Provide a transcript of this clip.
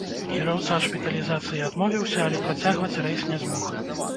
Кіроўца ад шпіталізацыі адмовіўся, але працягваць рэйс не змог.